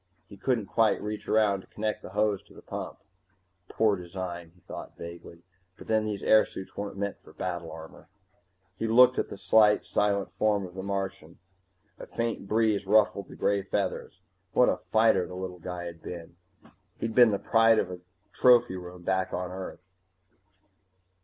He couldn't quite reach around to connect the hose to the pump Poor design, he thought vaguely. But then, these airsuits weren't meant for battle armor. He looked at the slight, silent form of the Martian. A faint breeze ruffled the gray feathers. What a fighter the little guy had been! He'd be the pride of the trophy room, back on Earth.